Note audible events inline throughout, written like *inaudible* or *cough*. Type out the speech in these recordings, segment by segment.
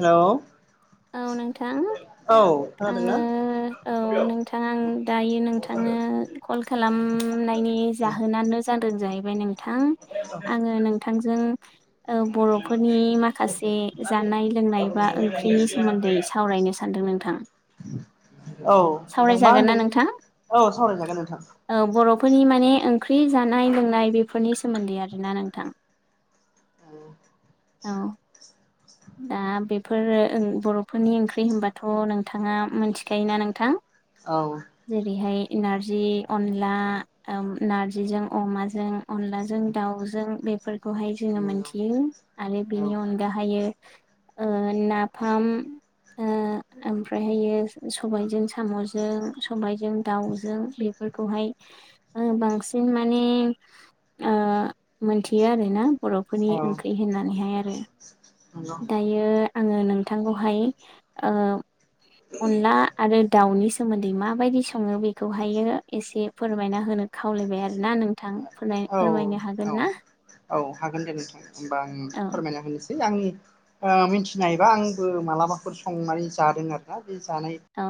हेल'। औ नोंथां। औ आङो आादोंनाा। औ नोंथां आं दायो औ नोंथां नोंथांनो कल खालामनायनि जाहोनानो जानो जाहैबाय नोंथां नोंथां आङो नोंथांजों बर'फोरनि माखासे जानाय लोंनाय सोंनायबा ओंख्रिनि सोमोन्दै सावरायनो सानदों नोंथां। मा सावरायजागोन ना होनदों नोंथां औ सावरायजागोन नोंथां बर'फोरनि माने ओंख्रि जानाय लोंनाय बेफोरनि सोमोन्दै आरोना नोंथां। औ। औ। दा बेफोर बर'फोरनि ओंख्रि होनबाथ' नोंथाङा मोनथिखायोना नोंथां? औ जेरैहाय नारजि अनला नारजिजों अमाजों अनलाजों दाउजों बे फोरखौहाय जोङो नंगौ मोनथियो आरो औ बिनि अनगाहै ओ नाफाम ओमफ्रायहायो सबायजों साम'जों सबाय रावजों बेफोरखौ खौहाय बांसिन माने मोनथियो आरो ना बर'फोरनि औ ओंख्रि होननानैहाय आरो नंगौ दायो आङो नोंथांखौहाय अनला आरो दाउनि सोमोन्दै माबायदि सङो बेखौहायो एसे फोरमायना होनो खावलायबाय आरोना नोंथां नोंथां फोर औ फोरमायनो औ हागोन ना औ हागोन दे नोंथां होमबा आं औ फोरमायना होनोसै आंनि मिथिनाय हबा आंबो मालाबाफोर संनानै जादों आरो ना बे जानाय औ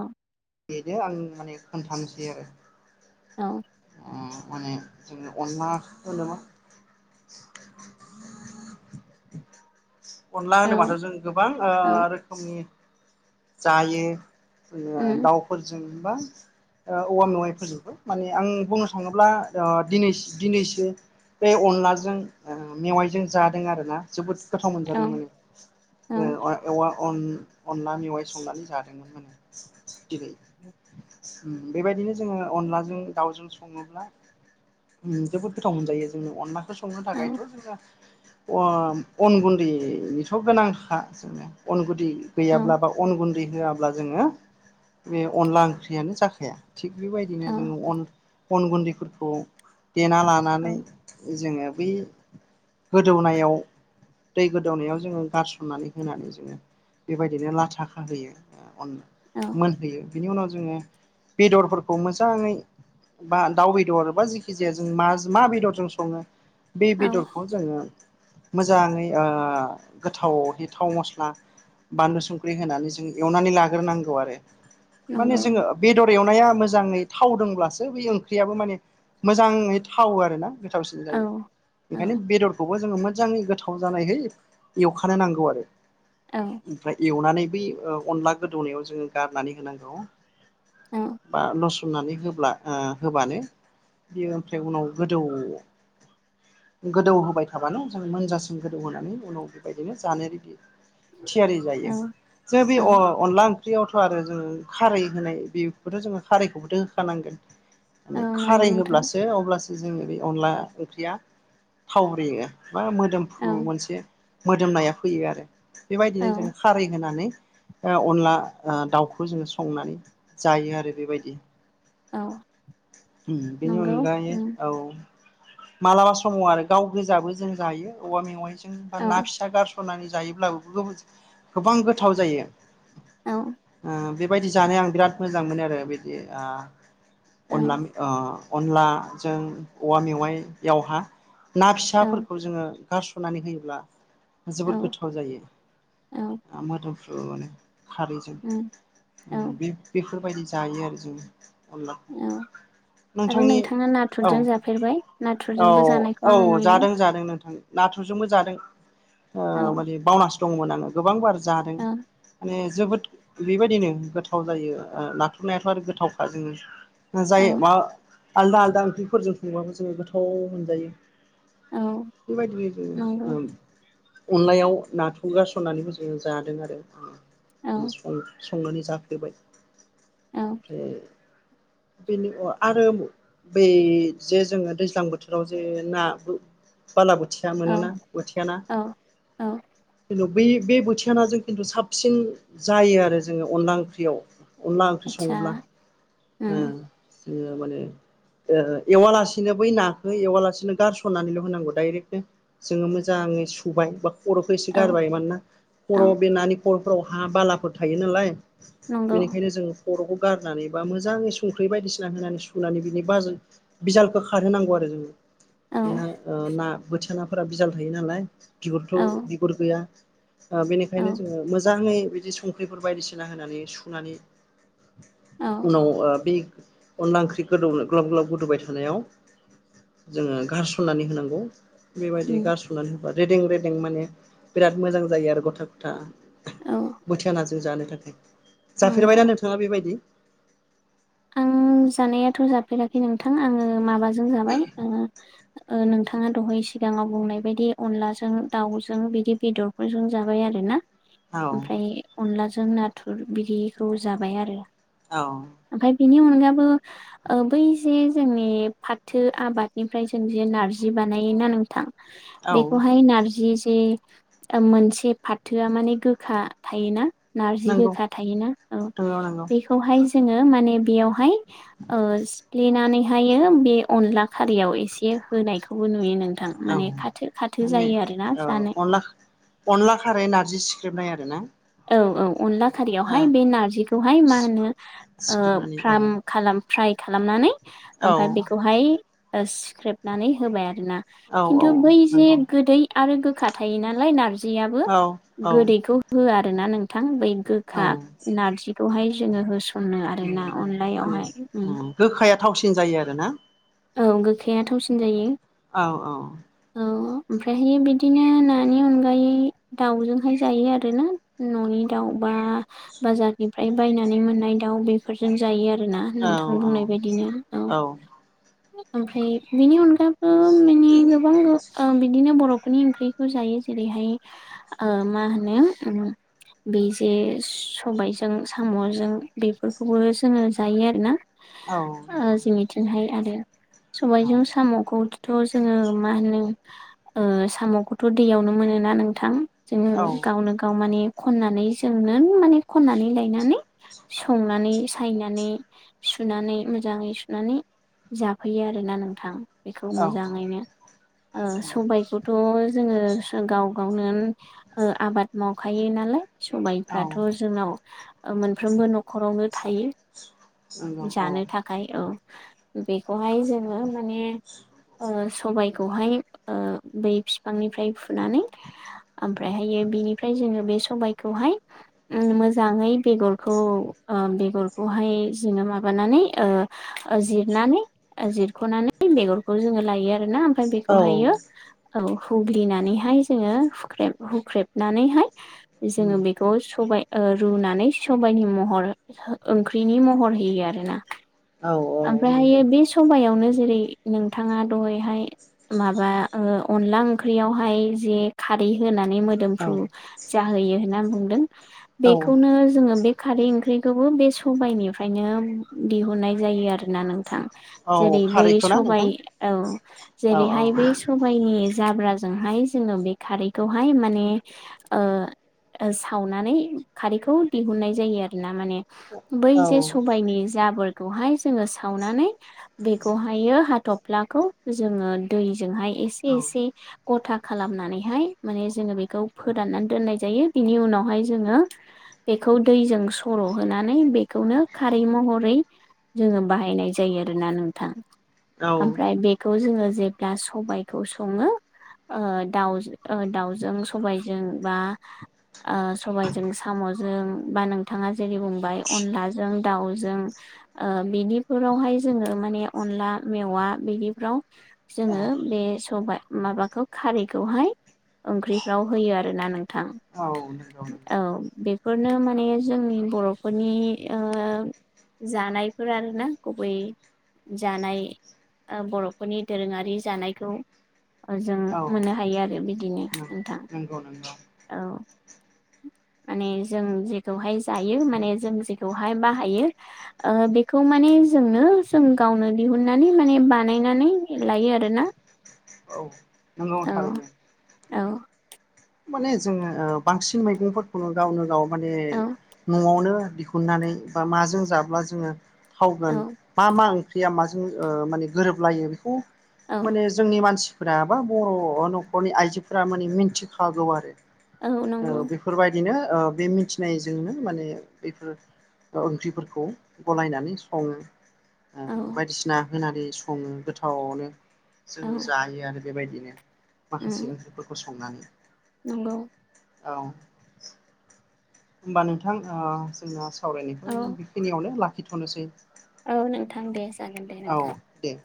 बेनो आं माने खोन्थानोसै आरो औ। उम माने जों अनला होनोब्ला *inaudible* अनला औ होनोबाथ' जों गोबां औ रोखोमनि जायो उम दाउफोरजोंबा औवा मेवाइफोरजोंबो माने आं बुंनो थाङोब्ला दिनै दिनैसो बे अनलाजों मेवाइजों जादों आरो ना जोबोद गोथाव औ मोनजादों औ मवा अनलानिव संनानै जादोंमोन होनो दिनै बेबायदिनो जोङो अनलाजों दाउजों सङोब्ला जोबोद गोथाव मोनजायो जोंनि अनलाखौ संनो थाखायथ' औ जोङो अ अन गुन्दैनिथ' गोनांखा जोङो अन गुन्दै गैयाब्ला बाव अन गुन्दै होआब्ला जोङो बे अनला ओंख्रियानो जाखाया थिग बेबायदिनो औ जोङो अन अन गुन्दैफोरखौ देना औ लानानै जोङो बै गोदौनायाव दै गोदौनायाव जोङो गारसननानै होनानै जोङो बेबायदिनो लाथा खाहोयो अन औ मोनहोयो बिनि उनाव जोङो बेदरफोरखौ मोजाङै बा दाउ बेदर बा जेखि जाया जों मा मा बेदर जों सङो बे औ बिदरखौ जोङो मोजाङै ओ गोथाव थाव म'स्ला बानलु संख्रि होनानै जों एवनानै लाग्रोनांगौ आरो माने नंगौ जोङो बेदर एवनाया मोजाङै थावदोंब्लासो बै ओंख्रियाबो माने मोजाङै थावो आरो ना गोथावसिन औ जायो औ बेखायनो बेदरखौ जों मोजाङै गोथाव जानायै एवखानो नांगौ आरो औ ओमफाय एवनानै बै ओ अनला गोदौनायाव जोंङो गारनानै होनांगौ बा नसु थुमनानै होब्ला ओ होबानो बेयो ओमफ्राय उनाव गोदौ गोदौ होबाय थाबानो जों मोनजासिम गोदौ होनानै उनाव बेबायदिनो जानो रेडि थियारि औ जायो। जोंङो बि औ अ अनला ओंख्रियावथ' आरो जोङो खारै होनाय बेखौथ' जोङो खारैखौबोथ' होखानांगोन माने नंगौ खारै नोंथां होब्लासो अब्लासो जोङो बे अनला ओंख्रिया थावब्रेयो बा औ मोदोमफ्रु मोनसे मोदोमनाया फैयो आरो औ बेबायदिनो जोङो खारै होनानै ओ अनला ओ दाउखौ जोङो संनानै जायो आरो बेबायदि। औ उम बिनि नंगौ अनगायै उम औ मालाबा समाव आरो गाव गोजाबो जों जायो औवा मेवाइजों बा औ ना फिसा गारसन नानै जायोब्लाबो गोबां गोथाव जायो औ ओ बे बेबायदि जानो आं बिराद मोजां मोनो आरो बिदि ओ अनला ओ अनलाजों औवा मेवाइयावहा ना औ फिसाफोरखौ जोङो गारस'नानै होयोब्ला जोबोद औ गोथाव जायो। औ मोदोमफ्रुनो खारैजों उम औ बे बेफोरबायदि जायो आरो जों अनलाखौ औ आरो नोंथांनि नोंथाङा औ नाथुरजों जाफेरबाय औ नाथुरजोंबो जानायखौ आङो औ नुयो जादों जादों नोंथां। नाथुरजोंबो जादों औ ओ माने बावनासो दंमोन आङो गोबां बार जादों औ माने जोबोद बेबायदिनो गोथाव जायो। ओ नाथुरनायाथ' आरो गोथावखा जोङो औ जाय मा आलदा-आलदा ओंख्रिफोरजों संबाबो जोङो गोथाव मोनजायो। औ बेबायदिनो जोङो नंगौ ओ अनलायाव नाथुर गारसननानैबो जोङो जादों औ आरो संनानै जाफ्लेबाय औ ओमफ्राय *unintelligible* बेनि ओ आरो बै जे जोङो दैज्लां बोथोराव जे ना बो बाला बोथिया औ मोनोना बोथिया ना औ औ बै बे बोथिया नाजों खिन्थु साबसिन जायो आरो जोङो अनला ओंख्रियाव। अनला ओंख्रि आतसा सङोब्ला ओ उम जोङो माने ओ एवालासिनो बै नाखौ एवालासिनो गारसननानैल' होनांगौ डाइरेक्टनो जोङो मोजां ङै सुबाय बाख खर'खो एसे औ गारबाय मानोना औ खर' बे नानि खर'फोराव हा बालाफोर थायो नालाय नंगौ बेनिखायनो जों खर'खौ गारनानै बा मोजाङै संख्रि बायदिसिना होनानै सुनानै बिनि बाज बिजालखौ खारहोनांगौ आरो जोङो। औ बेहा ओ ना बोथिया नाफोरा बिजाल थायो नालाय औ बिगुरथ' बिगुर गैया ओ बेनिखायनो औ जोङो मोजाङै बिदि संख्रिफोर बायदिसिना होनानै सुनानै औ उनाव ओ बि अनला ओंख्रि गोदौ ग्ल'ब-ग्ल'ब गोदौबाय थानायाव जोङो गारसननानै होनांगौ। उम बेबायदि गारस'नानै होबा रेदें रेदें माने बिराद मोजां जायो आरो गथा गथा औ बोथिया नाजों जानो थाखाय। नंगौ जाफेरबायना नोंथाङा बेबायदि? आं जानायाथ' जाफेराखै नोंथां। आङो माबाजों जाबाय आङो ओ नोंथाङा दहाय सिगाङाव बुंनाय बायदि अनलाजों दाउजों बिदि बेदरफोरजों जाबाय आरो ना। औ ओमफ्राय अनलाजों नाथुर बिदिखौ जाबाय आरो। औ। ओमफाय बिनि अनगाबो ओ बै जे जोंनि फाथो आबादनिफ्राय जों जे ना नारजि बानायो ना नोंथां औ बेखौहाय नारजि जे मोनसे फाथोआ माने गोखा थायोना। नारजि नंगौ गोखा थायोना औ नंगौ नंगौ बेखौहाय ओ माने बेयावहाय ओ सिफ्लेनानैहाय बे अनला खारियाव एसे होनायखौबो नुयो नों औ माने औ जानो अनला अनला खारै नारजि सि ख्रेबनाय आरो ना। औ औ अनला ओ खारियावहाय बे नारजिखौहाय मा होनो ओ सिख्रेबनानै औ फार्म खालाम फ्राइ खालामनानै औ ओमफाय बेखौहाय सिख्रेबनानै होबाय आरो। ना औ औ खिन्थु बै जे नंगौ गोदै आरो गोखा थायो नालाय नारजि नारजियाबो औ औ गोदैखौ हो आरो ना नोंथां बै गोखा औ नारजि दहाय जोंङो हो माने उम गोखाया थावसिन जायो आरो ना। औ गोखाया थावसिन जायो। औ औ उम ओमफ्रायहायो बिदिनो नानि अनगायै दाउजोंहाय जायो आरोना न'नि। दाउबा बाजारनिफ्राय बायनानै मोननाय दाउ बेफोरजों जायो आरोना औ नोंथां बुंनाय बायदिनो औ। ओमफ्राय बिनि अनगाबबो माने गोबां ओ बिदिनो बर' बेनि ओंख्रिखौ जायो जेरैहाय ओ मा होनो उम। बे जे सबायजों साम'जों बेफोरखौबो जोङो जायो आरोना। औ ओ जोंनिथिंहाय आरो औ सबायजों साम'खौ थ' जोङो मा होनो ओ साम'खौथ' दैयावनो मोनोना नोंथां। जोङो औ गावनो गाव माने खननानै जों नों माने खननानै लायनानै संनानै सायनानै सुनानै मोजाङै सुनानै जाफैयो आरोना नोंथां। बेखौ औ मोजाङैनो ओ सबायखौथ' जोङो गाव गावनो ओ आबाद मावखायो नालाय सबायफ्राथ' जोंनाव‌ औ मोनफ्रोमबो न'खरावनो थायो नंगौ औ नंगौ औ जानो थाखाय औ। बेखौहाय जोङो माने ओ सबायखौहाय ओ बै बिफांनिफ्राय फुनानै ओमफ्रायहायो बिनिफ्राय जोङो बे सबायखौहाय उम मोजाङै बेगरखौ ओ बेगरखौहाय जोङो माबानानै ओ जि नानै जिरख'नानै बेगरखौ जोङो लायो आरोना ओमफ्राय बेखौहायो औ हुग्लिनानैहाय जोङो हुख्रेब हुख्रेबनानैहाय जोङो बेखौ सबाय। ओ रुनानै सबबायनि महर ओंख्रिनि महर होयो आरोना। नंगौ ओमफ्रायहायो बे सायावनो जेरै नोंथाङा दहैहाय माबा ओ अनला ओंख्रियावहाय जे खारै होनाय नि मोदोमफ्रु औ जाहोयो होना बुंदों औ औ बेखौनो बे खारै बे खौबो बे सबायाइनिफ्रायनो दिहुननाय जायो आरोना नों थां जेरै बै खारैखौ ना सबाय नोंथां औ औ औ जेरैहाय बै औ सबाइनि जाब्राजोंहाय जोङो बे खारैखौहाय माने ओ सावनानै खारैखौ दिहुननाय जायो आरो ना माने। बै औ जे सबायनि जाबोर जोङो सावनानै बेखौहायो हाथफ्लाखौ जोङो दै दैजोंहाय एसे एसे औ गथा खालामनानैहाय माने जोङो बेखौ फोराननानै दोननाय जायो बिनि उनावहाय जोङो बेखौ दैजों सर' होनानै बेखौनो खारै महरै जोङो बाहायनाय जायो आरोना नोंथां औ ओमफ्राय नंगौ बेखौ जोङो जेब्ला सबायखौ सङो दाउ दाउजों सबायजों बा सबायजों साम'जों बा नोंथाङा जेरै बुंबाय अनलाजों दाउजों बिनिफोरावहाय जोङो माने अनला मेवा बिदिफ्राव जोङो बे सबाय माबाखौ खारैखौहाय ओंख्रिफ्राव होयो आरोना नोंथां। नंगौ औ बेफोरनो माने जोंनि बर'फोरनि जानायफोर आरोना गुबै जानाय बर'फोरनि दोरोङारि जानायखौ जों औ मोननो हायो आरो बिदिनो नोंथां नंगौ नंगौ औ। माने जों जेखौहाय जायो माने जों जेखौहाय बाहायो बेखौ माने जोंनो जों गावनो दिहुननानै माने बानायनानै लायो आरओ आरोना। औ नंगौ औ थारैनो। औ। माने जोङो बांसिन मैगंफोरखौनो गावनो गाव माने औ न'आवनो दिहुननानै बा माजों जाब्ला जोङो औ थावगोन मा मा ओंख्रि दैया माजों माने गोरोबलायो बेखौ औ माने जोंनि मानसि बा बर' न'खरनि आइजोफोरा माने मिथिखागौ आरो। औ नंगौ। बिनो बे मिथिनायजोंनो माने बेफोर ओंख्रिफोरखौ गलायनानै सङो। औ बायदिसिना होनानै सङो गोथावानो औ जोङो जायो आरो। बेबायदिनो माखासे उम ओंख्रिफोरखौ संनानै नंगौ। औ होमबा नोंथां जों सावरायनायखौ औ जों बेखिनियावनो लाखिथ'नोसै औ नोंथां दे जागोन दे औ नोंथां दे।